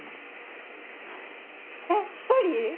えっ１人？